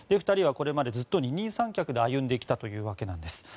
２人はこれまでずっと二人三脚で歩んできたというわけなんです。